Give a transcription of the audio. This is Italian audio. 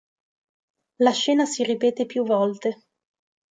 La scena si ripete più volte.